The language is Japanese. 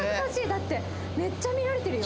だってめっちゃ見られてるよ。